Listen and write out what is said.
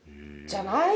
じゃない？